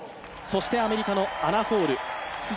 そしてアメリカのアナ・ホール。